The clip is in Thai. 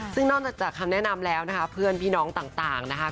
ซึ่งนอกจากคำแนะนำแล้วนะคะเพื่อนพี่น้องต่างนะคะ